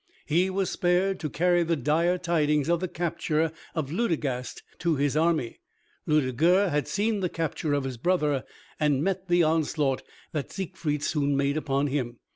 He was spared to carry the dire tidings of the capture of Ludegast to his army. Ludeger had seen the capture of his brother and met the onslaught that Siegfried soon made upon him.